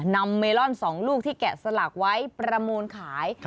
เมลอน๒ลูกที่แกะสลักไว้ประมูลขาย